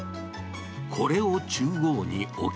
これを中央に置き、